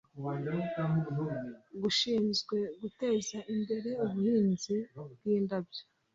gishinzwe guteza imbere ubuhinzi bw indabyo